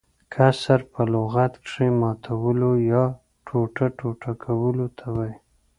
کسر په لغت کښي ماتولو يا ټوټه - ټوټه کولو ته وايي.